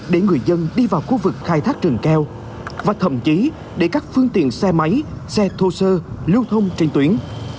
để người dân đi vào khu vực khai thác rừng keo và thậm chí để các phương tiện xe máy xe thô sơ lưu thông trên tuyến